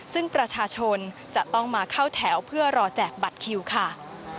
ซึ่งประชาชนจะต้องมาเข้าแถวเพื่อรอแจกบัตรคิวค่ะ